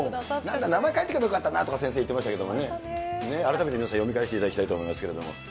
なんか名前書いておけばよかったななんて、おっしゃっていましたけれども、改めて皆さん、読み返していただきたいと思いますけれども。